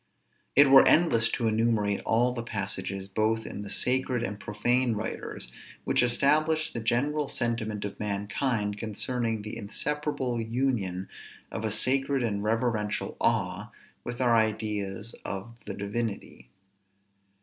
_ It were endless to enumerate all the passages, both in the sacred and profane writers, which establish the general sentiment of mankind, concerning the inseparable union of a sacred and reverential awe, with our ideas of the divinity.